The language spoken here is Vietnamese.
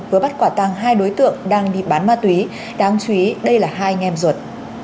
vừa bắt quả tăng hai đối tượng đang bị bán ma túy đáng chú ý đây là hai nghem ruột